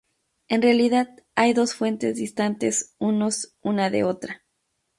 En realidad, hay dos fuentes distantes unos una de otra.